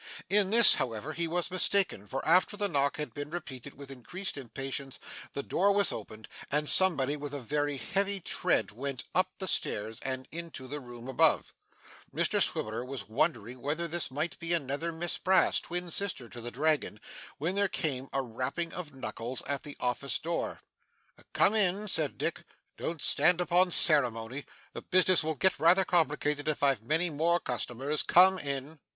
In this, however, he was mistaken; for, after the knock had been repeated with increased impatience, the door was opened, and somebody with a very heavy tread went up the stairs and into the room above. Mr Swiveller was wondering whether this might be another Miss Brass, twin sister to the Dragon, when there came a rapping of knuckles at the office door. 'Come in!' said Dick. 'Don't stand upon ceremony. The business will get rather complicated if I've many more customers. Come in!